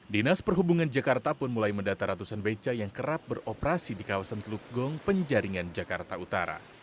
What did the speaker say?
dinas perhubungan jakarta pun mulai mendata ratusan beca yang kerap beroperasi di kawasan teluk gong penjaringan jakarta utara